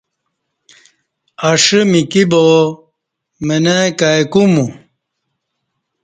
اݜہ میکی با منہ کای کومو